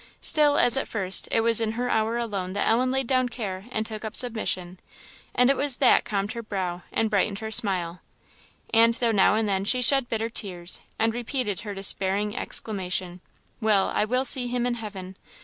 Still, as at first, it was in her hour alone that Ellen laid down care and took up submission; it was that calmed her brow and brightened her smile. And though now and then she shed bitter tears, and repeated her despairing exclamation, "Well! I will see him in heaven!"